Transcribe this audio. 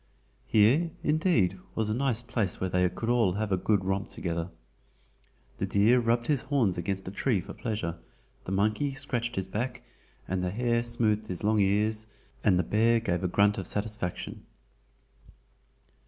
Here, indeed, was a nice place where they could all have a good romp together. The deer rubbed his horns against a tree for pleasure, the monkey scratched his back, the hare smoothed his long ears, and the bear gave a grunt of satisfaction.